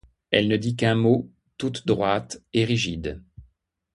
Elle ne dit qu'un mot, toute droite et rigide.